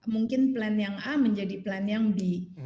mungkin plan yang a menjadi plan yang b